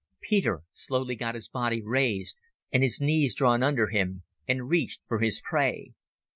Peter slowly got his body raised and his knees drawn under him, and reached for his prey.